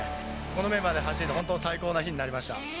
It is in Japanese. このメンバーで走れて、本当最高な日になりました。